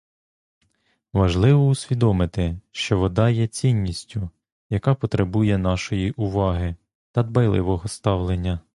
Важливо усвідомити, що вода є цінністю, яка потребує нашої уваги та дбайливого ставлення.